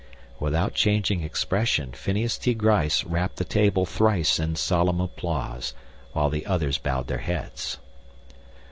Without changing expression, Phineas T. Gryce rapped the table thrice in solemn applause, while the others bowed their heads.